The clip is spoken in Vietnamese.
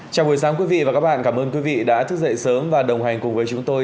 chào buổi sáng quý vị và các bạn cảm ơn quý vị đã thức dậy sớm và đồng hành cùng với chúng tôi